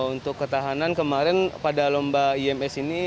untuk ketahanan kemarin pada lomba ims ini